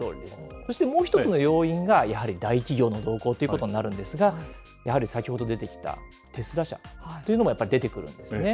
そしてもう１つの要因が、やはり大企業の動向ということになるんですが、やはり先ほど出てきたテスラ社というのもやっぱり出てくるんですね。